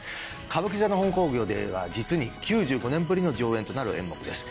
歌舞伎座の本興行では実に９５年ぶりの上演となる演目です。